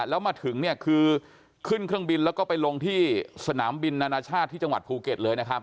แล้วมาถึงเนี่ยคือขึ้นเครื่องบินแล้วก็ไปลงที่สนามบินนานาชาติที่จังหวัดภูเก็ตเลยนะครับ